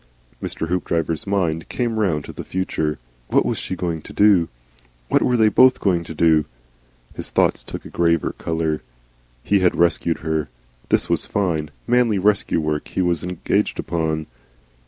Mr. Hoopdriver's mind came round to the future. What was she going to do? What were they both going to do? His thoughts took a graver colour. He had rescued her. This was fine, manly rescue work he was engaged upon.